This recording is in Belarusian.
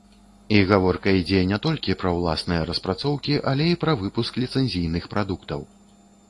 І гаворка ідзе не толькі пра ўласныя распрацоўкі, але і пра выпуск ліцэнзійных прадуктаў.